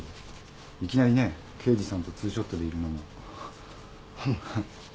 いきなりねえ刑事さんとツーショットでいるのも。